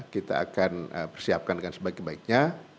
kita akan persiapkankan sebaik baiknya